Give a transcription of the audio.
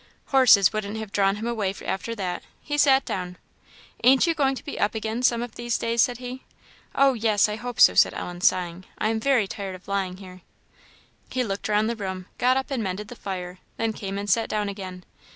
Horses wouldn't have drawn him away after that. He sat down. "Ain't you going to be up again some of these days?" said he. "Oh yes, I hope so," said Ellen, sighing; "I am very tired of lying here." He looked round the room; got up and mended the fire, then came and sat down again.